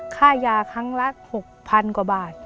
ค่ายาครั้งละ๖๐๐๐กว่าบาท